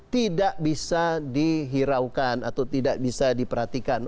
tidak bisa dihiraukan atau tidak bisa diperhatikan